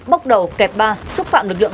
bóc đầu kẹp ba xúc phạm lực lượng